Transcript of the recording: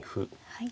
はい。